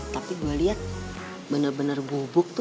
tapi gue lihat bener bener bubuk tuh